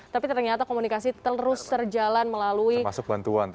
tapi ternyata komunikasi terus terjalan melalui bantuan